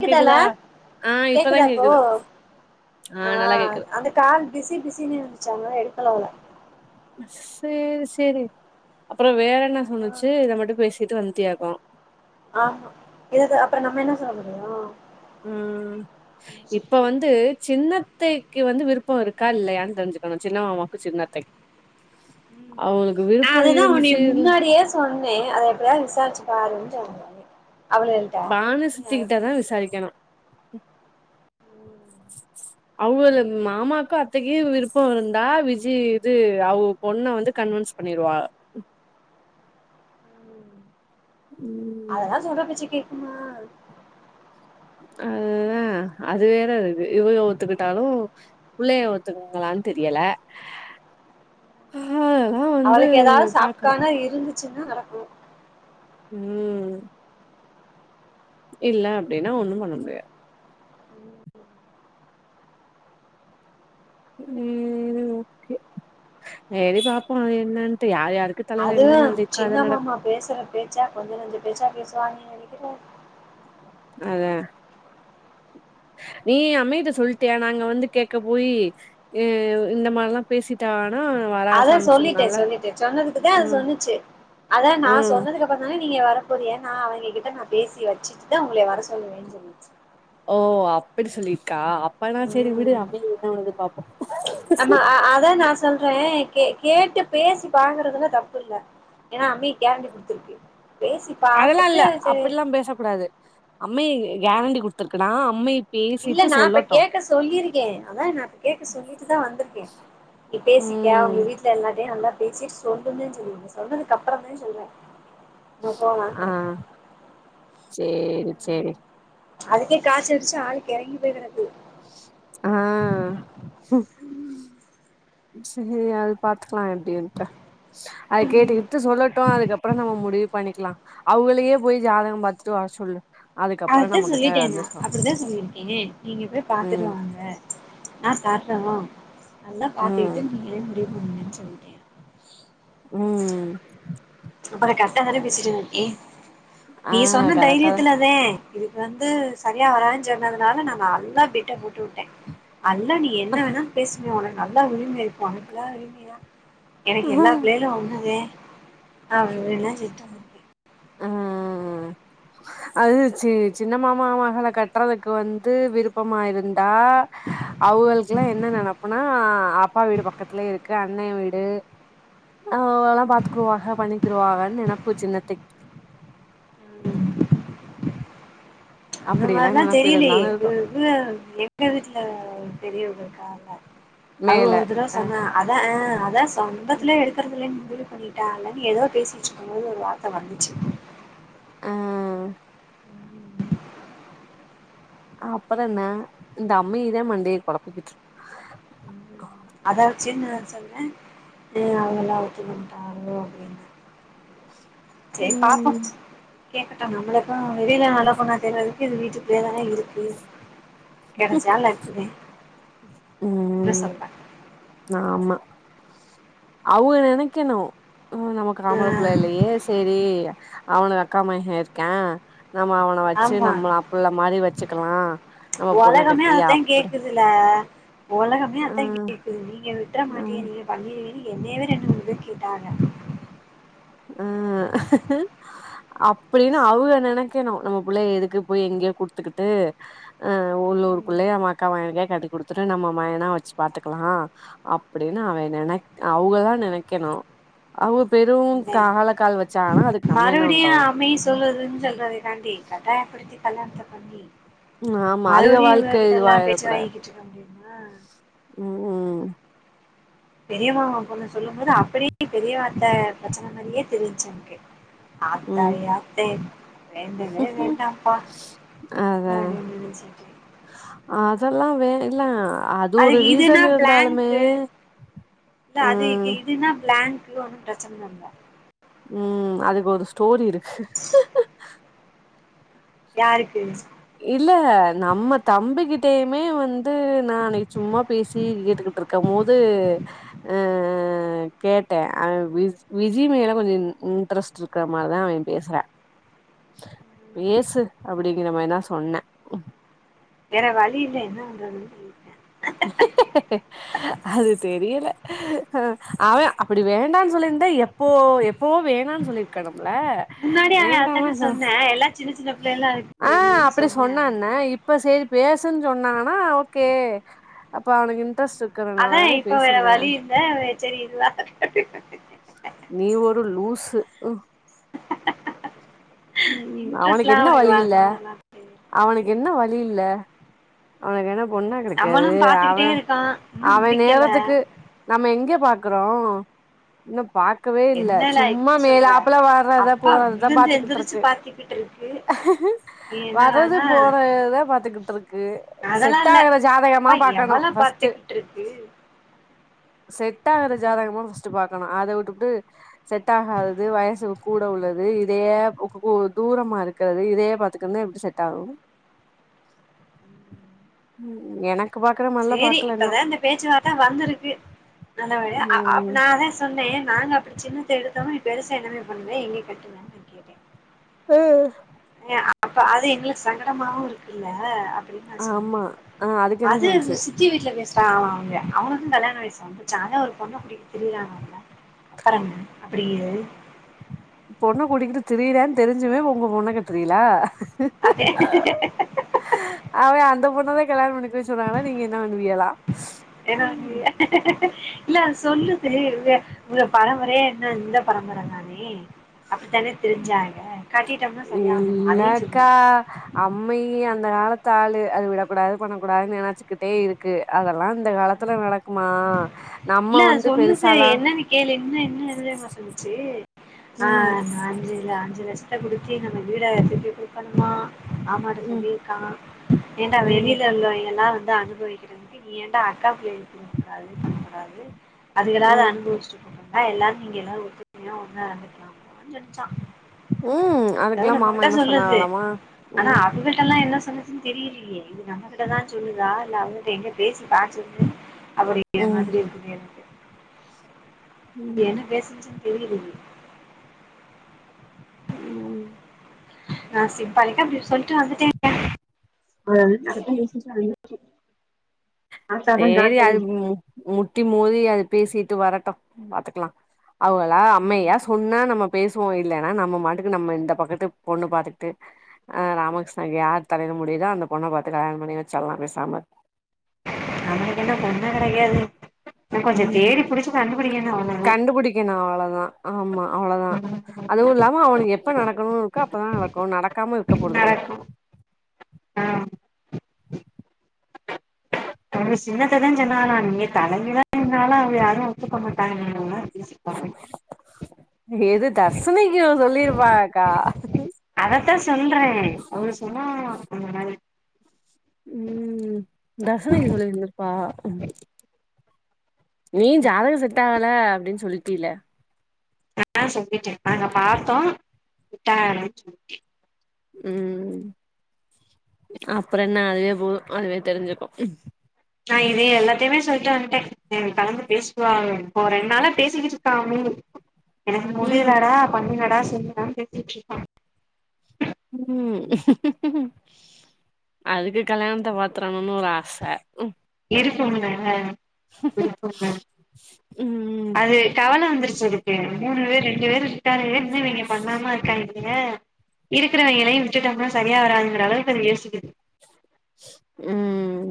கேக்குதால கேக்குதா ஆ இப்பதா கேக்குதா இப்ப கேக்குது ஆ நல்லா ஆஹ் கேக்குது அந்த கால் பிஸி பிஸினுவந்தூச்சி சொன்ன எடுக்கலோள்ள சேரி சேரி அப்புறம் வேற என்ன சொன்னுச்சு இதை மட்டும் பேசிட்டு வந்தியாக்கும் ஆமா இத அப்புறம் நம்ம என்ன சொல்ல முடியும் உம் இப்ப வந்து சின்ன அத்தை க்கு வந்து விருப்பம் இருக்கா இல்லையான்னு தெரிஞ்சுக்கணும் சின்ன மாமாவுக்கு சின்ன அத்தைக்கும் ம் ஆ அதுதான் உன்ன இருந்துச்சு இல்ல முன்னாடியே சொன்னேன் அதை எப்படியாவது விசாரிச்சி பாருன்சொன்னேன் பானு சித்திக்கிட்ட தான் விசாரிக்கணும் அவுங்க மாமாக்கும் அத்தைக்கும் விருப்பம் இருந்தா விஜி் இது அவுக பொண்ண வந்து கன்வின்ஸ் பண்ணிருவாக அததான் சொல்ற பேச்சு உம் அதான் அது வேற இருக்கு இவுக ஒத்துக்கிட்டாலும் புள்ளய ஒத்துக்கங்களான்னு தெரியல அதெல்லா வந்து அவளுக்கு ஏதாவது பாக்கணு சாப்கானா இருந்து என்ன நடக்கும் உம் இல்ல அப்டின்னா ஒண்ணும் பண்ண முடியாது உம்ஓகே எரி பாப்போம் என்னட்டு யார் யாரு அதுவும் சின்னமாமா பேசுற பேச்சா கொஞ்சம் நஞ்சம் பேச்சா பேச சுவானி கக்கல அதான் நீ அம்மைட்டத சொல்லிட்டிய நாங்க வந்து கேட்க போயி அஹ் இந்த மாரில்லாம் பேசிட்ட அதான் சொல்லிட்டேன் சொல்லிட்டேன் சொன்னதுக்குதான் அத ம் சொன்னுச்சு அதான் நான் ம் சொன்னதுக்கு அப்புறம் தானே நீங்க வர புரிய நான் அவுங்க கிட்ட நான் பேசி வச்சிட்டு தான் உங்களே வர சொல்லுவேன்ன சொல்லிச்சு ஓ அப்டி சொல்லிருக்கா அப்பனா சரி விடு ம் அம்ம என்ன பண்ணது பாப்போம் ஆமா அதா நா சொல்றே கேட்டு பேசி பாக்கறதுல தப்பு இல்ல ஏன்னா அம்ம கேரண்டி குடுத்துருக்கு பேசி அதெல்லாம் பாத்துட்டு இல்ல சரி அப்டிலாம் பேசக் கூடாது அம்ம கேரண்டி கொடுத்துருக்குனா அம்மை இல்ல பேசிட்டு நான் இப்ப சொல்லட்டு கேக்க சொல்லியிருக்கேன் அதான் நான் இப்ப கேக்க சொல்லிட்டுதான் வந்திருக்கேன் நீ பேசிக்கே ம் உங்க வீட்டுல எல்லார்ட்டையும் வந்தா பேசி சொல்லுந்தே சொல்லீங்க சொன்னதுக்கு அப்புறம்தான் சொல்றேன் அ போலங்கிற ஆ சேரி சேரி அதுக்கே காச்ச அடிச்சு ஆள் கிறங்கி போய் கிடகு ஆஹ் சேரி அது பாத்துக்கலாம் எப்டினுட்டு அது கேட்டு இட்டு சொல்லட்டும் அதுக்கப்பறம் நம்ப முடி பண்ணிக்கலாம் அவங்களையே போய் ஜாதகம் பாத்தட்டு வர சொல்லு அதுக்கப்புறோ அதத்தான் நம்மகிட்ட சொல்லிட்டேன் வந்து நான் சொ அப்படிதான் சொல்லிருக்கேன் நீங்க போய் ம் பாத்துடுவாங்க ஆஹ் சாப்டோம் நல்லா ம் பாத்துட்டு நீங்களே இது உண்மைனு சொல்லிட்டேன் உம் அப்பறம் கரெக்டா தானே பேசிட்டுருக்கேன் ஆ நீ சொன்ன கரெக்டா தைரியத்துலதேன் இது வந்து சரியா வராதுன்னு சொன்னதுனால நான் நல்லா பிட்ட முடி விட்டேன் அல்லா நீ என்ன வேணா பேசுமேன் உனக் நல்லா உரிமையா இருக்கு உனக்கு இல்லாத உரிமைய எனக்கு எல்லா பிள்ளைகளும் ஒண்ணுதேன் அவ [inaudible] உம் உம் அது சி சின்ன மாமா மகள கட்டுறதுக்கு வந்து விருப்பம்மாயிருந் தா அவுகளுக்கெல்லாம் என்ன நினைப்புனா அப்பா வீடு பக்கத்திலயே இருக்கு அண்ணா வீடு ஹ் எல்லாம் பாத்துக்குவாக பண்ணிக்கிருவாங்கன்னு நேனப்பு சின்னத்தைக்கு ம் அந்த அப்படியெல்லா மாரிலாம் நெனப்பு தெரியலையே இருந்தாலு இ இருக்கு வுக எங்க வீட்டுல பெரியவுங்கருக்காங்க அது மேல ஒரு தடவ அ சொன்ன அத அஹ் அத கம்பத்துலே எடுக்கறதில்ல இது பண்ணிட்டா இல்லன்னனு ஏதோ பேசிட்டு இருக்கும்போது ஒரு வார்த்தை வந்துச்சு ஆ ம் ம் அப்பறம் என்ன இந்த அம்மைதான் மண்டி குழப்பிக்கிட்டு இருக்கு அதா வச்சுன்னு சொல்றேன் அவங்கள ஒதுக்க மாட்டாங்களோ அப்டிண்டு சேரி பாப்போம் ம் கேக்கட்டும் நம்மளுக்கும் வெளில நல்ல பொண்ணா தெர்றதுக்கு இது வீட்டுக்குள்ளயே தானே இருக் கெடச்ச லக்கு தேன் உம் உம் ஆமா அவுக‌ நினைக்கணும் உம் நமக்கு ஆ ஆம்புள்ளையே இல்லையே சேரி அவனுக்கு அக்கா மகேஹன் இருக்கான் நம்ம அவனை வச்சு ஆமா நம்மள அப்புள்ள மாரி வச்சுக்கலாம் நம்ம பொண்ணை ஒலகமே கட்டி அப்படி உலகமே அத்தான் கேட்டு இருக்குது நீங்க விட்டுற ஆ மாட்டியிங்க நீங்க பண்ணிவிங்க என்னே ரெண்டு மூணு பேர் கேட்டாங்க உம் அப்படின்னு அவுக நினைக்கணும் நம்ம பிள்ளை எதுக்கு எனக்கோர் குடுத்துட்டு ஆஹ உள்ளூர் ம் குள்ளேயான் அவன் அக்கா ‌மகளுக்குகே கட்டி குடுத்து நம்ம மவேனா வச்சு பாத்துக்கலாம் அப்படி அவன் நினைக் அவுங்க தான் நினைக்கனும் அவுங்க பெ என்ன மறுபுடியும் பண்றது அம்மேயி சொல்லுது ன்னு சொல்லாறே தாண்டி கட்டாயபடுத்தி கல்யாணத்தை பண்ணி ஆமா அதுக மறுபடியு வாழ்க்கை இவகிட்ட எல்லா இதுவாயிர பேச்சு கூடாது வாங்கிக்கிட்டு இருக்க முடியுமா பெரியமாமா பொண்ணு சொல்லும் போது அப்படியே பெரிய வார்த்த பிரச்சனை மாதிரியே தெரிஞ்சுச்சு எனக்கு ஆத்தாடி ஆத்தே வேண்டவே வேண்டாம்ப்பா அதான் அப்டின்னு நெனச்சிட்டு அதெல்லாம் வே இல்லா அதுக்கு இதுன்னா பிளாங்க்கு இல்ல அது ம் இதுன்னா பிளாங்க் இது ஒன்னும் பிரச்சனை இல்ல உம் அதுக்கு ஒரு ஸ்டோரி இருக்கு யாருக்கு எப்பயுமே வந்து நான் அன்னைக்கு சும்மா பேசி கேட்டுக்கிட்டு இருக்கும் போது அஹ் கேட்டேன் அவ விஜி மேல கொஞ்சம் இன்ட்ரெஸ்ட் இருக்கிற மாரிதான் அவன் பேசறா பேசு அப்படிங்கிறன்ன சொன்ன வேற வழி இல்ல என்ன பண்றது அது தெரியல அவென் ‌அப்படி வேண்டாம்னு சொல்லியிருந்தா எப்போ எப்போ வேணாம்னு சொல்லிருக்கணும்ம்ல முன்னாடியே அவன் அதத்தானே சொன்னேன் எல்லாம் சின்ன சின்ன பிள்ளைகளா ஆ இருக்கு தானே அப்டி சொன்ன சொன்னான்ன அவேன் இப்ப சேரி பேசுன்னு சொன்னாங்கன்னா ஓகே அப்போ அவனுக்கு ன் அதான் இப்ப வேற வழி இல்ல சரி இதுவா அ க க [inaudible] ஒ உம் அவனுக்கு இன்ட்ரெஸ்ட்லா என்ன வழி இல்ல வர்ற மாரிலா தெரியல அவனுக்கு என்ன இல்ல அவனக்கு எனப் ஒண்ணா நம்மளு கிடைக்காது பாத்துக்கிட்டே அவன் இருக்கோ இன்னு அவன் முடிக்கல நேரத்துக்கு நம்ம எங்கே பாக்குறோம் இன்னும் பாக்கவே இல்ல என்னடா சும்மா இப்டி மேல சொல்ற ஆப்பல வர்றதா அப்பா போறதுதான் விழுந்து பாத்துக்கிட்டு எந்திரிச்சு இருக்கு பாத்துக்கிட்டு இருக்கு நீ வர்றது என்னடானா போறதான் பாத்துக்கிட்டு இருக்கு அதெல்லாம் செட் இல்ல ஆகுற ஜாதகமா அப்பா பாக்கணு எவ்வளோ ஃபர்ஸ்ட் பாத்துக்கிட்டு இருக்கு செட் ஆகுற ஜாதகமா பஸ்டு பாக்கணும் அதை விட்டுபட்டு செட் ஆகாதது வயசு கூட உள்ளது இதையே தூரமா இருக்கிறது இதையே பாத்துக்கருந்தா எப்டி செட் ஆகும் உம் எனக் சேரி இப்பதான் இந்த பேச்சுவார்த்தை வந்திருக்கு நல்லபடியா ம் நான்தான் சொன்னேன் நாங்க அப்டி சின்னத்தை எடுத்தும் பெருசா என்னாமே பண்ணுவத எங்கே கட்டலு நான் கேட்டேன் ஹும் அப்ப அது எங்களுக்கு சங்கடமாவும் இருக்குல்ல அப்டின்னு நான் ஆமா சொன்னேன் ஆ அதுக்கு என்ன அது சொன்னுச்சு சித்தி வீட்டுல பேசுறாங்க லா அவுங்க அவனுக்கும் கல்யாண வயசும் வந்துச்சுஅத ஒரு பொண்ணை கூட்டிட்டு திரியறனாங்கல அப்றம் என்ன அப்டியே பொண்ணு கூட்டிக்கிட்டு திரியிரான்னு தெரிஞ்சுமே உங்க பொண்ண கட்ரிகளா அதேன் இப்பவே கல்யாணம் பண்ணிக் சொன்னாங்கா நீங்க என்ன பண்ணுவியலாம் என்ன உம் பண்ணுவீங்க இல்ல அ சொல்லுது இங்க உங்க பரம்பரையே என்ன இந்த பரம்பரை தானே அப்டித்தானே திரிஞ்சாக இல்லக்கா அம்மையி அந்த காலத்து தாலு அது விடக்கூடாது பண்ணக்கூடாதுன்னு நெனைச்சுக்கிட்டே இருக்கு அதெல்லாம் இந்த காலத்துல நடக்குமா இல்ல நம்ம வந்து சொல்லுது பெருசாலா என்னன்னு கேளு என்ன என்ன இருங்க சொல்லிச்சு ம் ஆஹ் நன்றித விசத குடுச்சி நம்ம வீட திருப்பி மா மாமா ம் சொல்லியிருக்கான் ஏண்டா ம் வெளியில உள்ளவங்களாம் எல்லாம் வந்து அனுபவிக்க நீ ஏண்டா அக்கா புள்ளைகளுக்கு குடுக்க கூடாது அது அது ஏதாவது ம் அனுபவிச்சுருக்கும் ஆ எல்லாரும் நீங்க எல்லாரும் ஒற்றுமையா ஒண்ணா இருந்துக்கலாம் சொல்லுச்சான் ம் அதாவது அதுக்கெல்லா மாமா நம்மகிட்ட என்ன சொல்லுது சொன்னாகலாமா ஆனா ம் அவுகள்டல்லாம் என்ன சொன்னுசுனு தெரியலையே இது நம்மகிட்டதான் சொல்லுதா அவுகட்ட எங்க பேசி பாச்சிருது அப்படிங்ககூற ம் மாரி இருக்கு இது என்ன ம் பேசின்ச்சு தெரியலையே உம் நான் சிம்பாளிக்கா அப்டி சொல்லிட்டு வந்துட்டே [inaudible] செரி அது மு மு முட்டி மோதி அது பேசிட்டு வரட்டும் பாத்துக்கலாம் அவளா அம்மையா சொன்னா நம்ம பேசுவோம் இல்லைன்னா நம்ம மாட்டுக்கு நம்ம இந்த பக்கத்து பொண்ணு பாத்துக்கட்டு அஹ் ராமகிருஷ்ணாக்கு யார் தலையிட முடியுதோ அந்த பொண்ணை பார்த்து கல்யாணம் பண்ணி வச்சல்லலாம் பேசாம இரு அவனுக்கு என்ன பொன்னா கெடைக்காது இன்ன கொஞ்சோ உம் தேடி புடிச்சு கண்டுபிடிக்கணு அவ்ளோதா கண்டுபிடிக்கனும் அவ்வளவுதான் ஆமா அவ்வளவுதான் அதுவும் இல்லாம அவனுக்கு எப்ப நடக்கணும்னு இருக்கோ அப்பதான் நடக்கும் நடக்காம இருக்க போறது கிடையாது நடக்கு ஆ உங்க சின்னத்ததான் சொன்னாங்களா நீங்க தலைகீழா நின்னாலும் அவங்க யாரும் ஒத்துக்க மாட்டாங்கங்க எது தர்சனிக்கும் சொல்லிருப்பாக்கா அதத்தா ஆ உம் தசமிக்கு சொல்லியிருந்தருப்பா நீ ஜாதகம் செட் ஆகல அப்படின்னு சொல்லிட்டல ஆஹ் சொல்லிட்டேன் நாங்க பார்த்தோம் செட் ஆகலனு சுல்லிட்டேன் உம் அப்புறம் என்ன அதுவே போதும் அதுவே தெரிஞ்சுக்கும் நான் இதே எல்லாத்தையுமே சொல்லிட்டு வந்துட்டேன் கலந்து பேசுவாங்க இப்போ ரெண்டு நாளா பேசிக்கிட்டு இருக்காங்க எனக்கு ம் முடியலடா பண்ணு என்னடா சொல்லு டா பேசிட்டு இருக்கான் உம் அதுக்கு கல்யாணத்தை பாத்துரணும்னு ஒரு ஆசை இருப்போங்கஹ ம் அது கவலை வந்துருச்சு பசங்க மூணு பேர் ரெண்டு பேர் என்னவிங்க பண்ணாம இருக்கா இருக்காய்ங்க இருக்கிறவங்களையும் விட்டுட்டோம்னா சரியா வராதுங்கிற அளவுக்கு அது யோசிக்குது உம்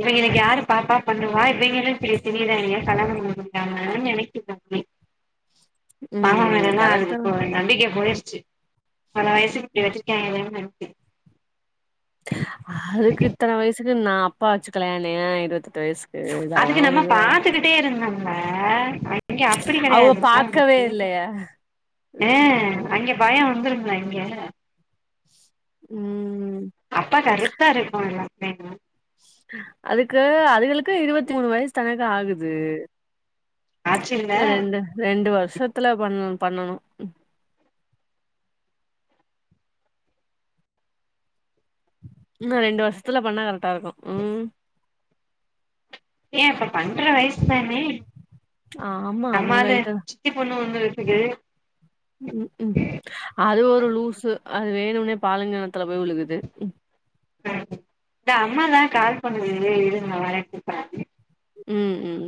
இவங்க எனக்கு யாரு பாப்பா பண்வா இவங்களும் இப்படி திறிறாங்க கல்யாணம் பண்ண முடியாம நினைக்கிதோ அப்டி ம் பசங்கமேல்லாம் அதுக்கு கரெக்டா இப்ப நம்பிக்கைய போச்சு சரி கல்யாண வயசு இப்படி வச்சிருக்காங்ளேனு அதுக்கு இத்தனை வயசுக்கு நா அப்பா வச்சுகலய என்னய இருபத்தெட்டு வயசு அதுக்கு நம்ம பாத்துக்கிட்டே இருந்தோம் ஆஹ இங்க அப்படி அவங்க கிடையாது பாக்கவே இல்லையே ம் அங்க பையன் வந்துருங்கா இங்க ம் அப்ப கருத்தா இருக்கும் எல்லாம் வேங்கு அதுக்கு அதுகளுக்கு இருபத்து மூணு வயசு தானக்க ஆகுது ஆச்சுல்ல ரெண்டு ரெண்டு வருஷத்துல பண்ணு பண்ணணும் ரெண்டு வருஷத்துல பண்ணா கரெக்டா இருக்கும் உம் ஏன் இப்ப பண்ற வயசு தானே ஆமா அதுவு நம்மாலு ரைட்டு தா சித்தி பொண்ணு ஒண்ணு [inaudible] ம் ம் அது ஒரு லூசு அது வேணும்னே பாலுங்கெணத்துல போய் விழுகுது ஹம் இந்த அம்மாதான் கால் பண்ணுது இரு இருவரேன் கூப்பரேன் உம் உம்